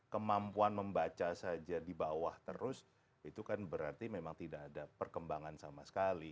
kemampuan membaca saja di bawah terus itu kan berarti memang tidak ada perkembangan sama sekali